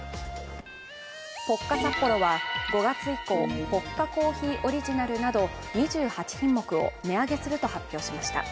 ポッカサッポロは５月以降、ポッカコーヒーオリジナルなど２８品目を値上げすると発表しました。